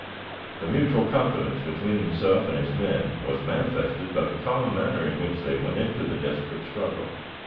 The mutual confidence between himself and his men was manifested by the calm manner in which they went into the desperate struggle.